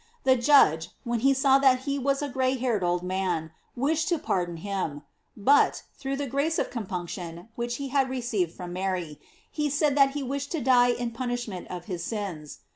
The judge, when he saw that he was a gray haired old man, wished to pardon him ; bat, through the grace of compunction which he had received from Mary, he said that he wished to die in punishment of his sins.